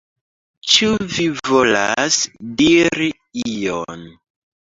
Ĉu vi volas diri ion?